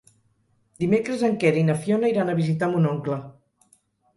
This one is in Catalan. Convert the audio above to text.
Dimecres en Quer i na Fiona iran a visitar mon oncle.